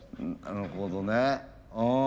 なるほどねうん。